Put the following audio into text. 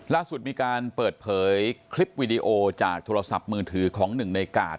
ล่าสุดมีการเปิดเผยคลิปวิดีโอจากโทรศัพท์มือถือของหนึ่งในกาด